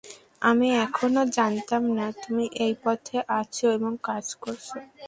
আমি কখনই জানতাম না তুমি এই পথে আছোএবং কাজ করছো।